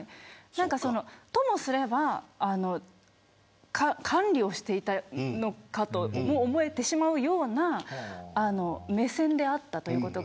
ともすれば管理をしていたのかと思えてしまうような目線であったということが。